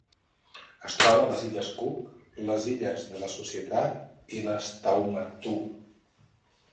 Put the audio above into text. Es troba a les Illes Cook, les Illes de la Societat i les Tuamotu.